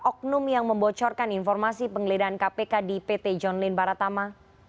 oknum yang membocorkan informasi penggeledahan kpk di pt john lin baratama